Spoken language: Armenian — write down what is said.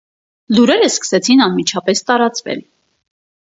Լուրերը սկսեցին անմիջապես տարածվել։